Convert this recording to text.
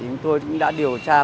chúng tôi cũng đã điều khiển ra